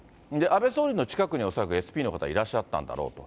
安倍総理の近くに恐らくＳＰの方、いらっしゃったんだろうと。